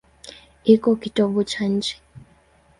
Iko kitovu cha nchi.